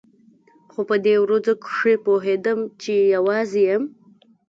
خو په دې ورځو کښې پوهېدم چې يوازې يم.